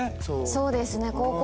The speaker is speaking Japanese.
そうですね。